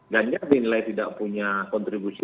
ganjar dinilai tidak punya kontribusi